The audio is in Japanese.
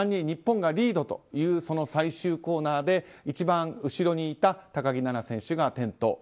日本がリードというその最終コーナーで一番後ろにいた高木菜那選手が転倒。